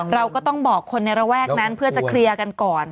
เราก็ต้องบอกคนในระแวกนั้นเพื่อจะเคลียร์กันก่อน